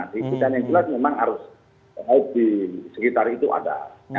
yang jelas memang arus laut di sekitar itu ada